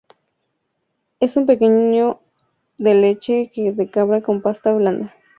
Es un queso pequeño de leche de cabra con pasta blanda.